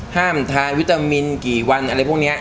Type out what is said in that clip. ห้ามทานวิตามินกี่วันอะไรพวกนี้